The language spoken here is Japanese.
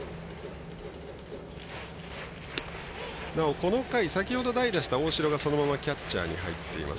この回先ほど代打した大城がそのままキャッチャーに入っています。